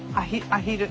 アヒル。